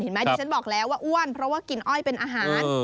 ดิฉันบอกแล้วว่าอ้วนเพราะว่ากินอ้อยเป็นอาหาร